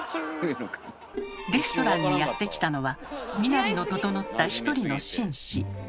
レストランにやって来たのは身なりの整った一人の紳士。